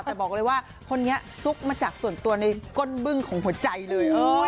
แต่บอกเลยว่าคนนี้ซุกมาจากส่วนตัวในก้นบึ้งของหัวใจเลย